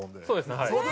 そうですねはい。